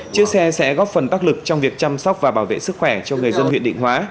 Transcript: chiếc xe sẽ góp phần đắc lực trong việc chăm sóc và bảo vệ sức khỏe cho người dân huyện định hóa